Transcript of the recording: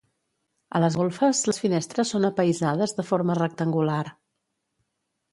A les golfes les finestres són apaïsades de forma rectangular.